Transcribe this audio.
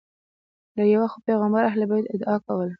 له یوې خوا پیغمبر اهل بیت ادعا کوله